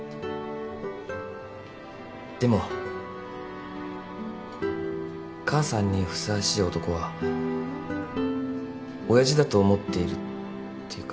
でも母さんにふさわしい男は親父だと思っているっていうか。